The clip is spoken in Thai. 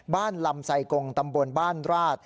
ลำไซกงตำบลบ้านราช